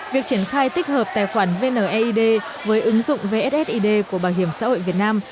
việc triển khai tích hợp tài khoản vneid với ứng dụng vssid của bảo hiểm xã hội việt nam